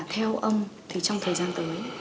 theo ông thì trong thời gian tới